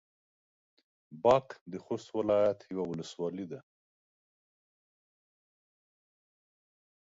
باک د خوست ولايت يوه ولسوالي ده.